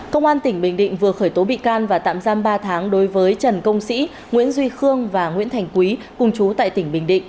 công an tỉnh bình định vừa khởi tố bị can và tạm giam ba tháng đối với trần công sĩ nguyễn duy khương và nguyễn thành quý cùng chú tại tỉnh bình định